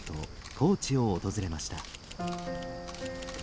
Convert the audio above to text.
高知を訪れました。